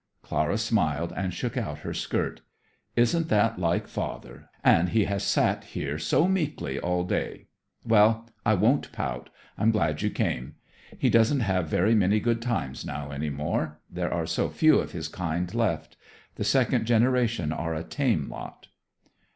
Clara smiled and shook out her skirt. "Isn't that like father? And he has sat here so meekly all day. Well, I won't pout. I'm glad you came. He doesn't have very many good times now any more. There are so few of his kind left. The second generation are a tame lot."